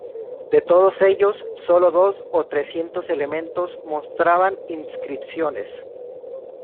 De todos ellos, solo dos o trescientos elementos mostraban inscripciones.